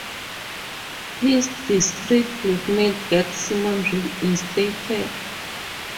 His discreet blackmail gets Simon reinstated.